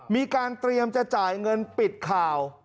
มีการเตรียมจะจ่ายเงินปิดข่าว